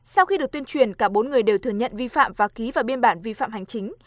sau khi được tuyên truyền cả bốn người đều thừa nhận vi phạm và ký vào biên bản vi phạm hành chính